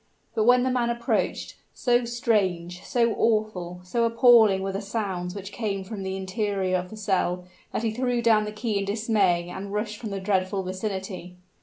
But when the man approached, so strange, so awful, so appalling were the sounds which came from the interior of the cell, that he threw down the key in dismay and rushed from the dreadful vicinity.